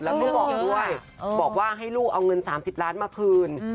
แล้วก็บอกด้วยบอกว่าให้ลูกเอาเงิน๓๐ล้านมาคืน